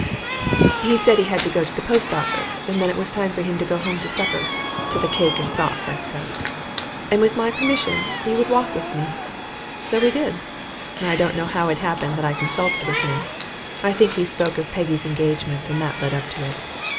He said he had to go to the post office, and then it was time for him to go home to supper (to the cake and sauce, I suppose), and with my permission he would walk with me. So he did. I don't know how it happened that I consulted with him. I think he spoke of Peggy's engagement, and that led up to it.